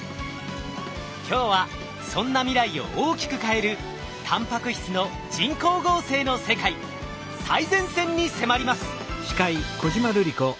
今日はそんな未来を大きく変えるタンパク質の人工合成の世界最前線に迫ります！